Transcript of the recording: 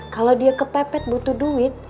kalau dia kepepet butuh duit